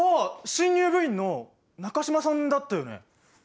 新入部員の中島さんだったよね？